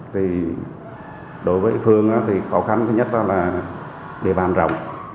vì đối với phương thì khó khăn nhất là địa bàn rộng